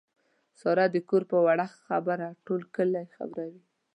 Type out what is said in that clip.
ساره د کور په وړه خبره ټول کلی خبروي.